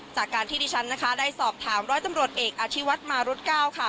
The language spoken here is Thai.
จากการที่ดิฉันนะคะได้สอบถามร้อยตำรวจเอกอธิวัฒน์มารุดเก้าค่ะ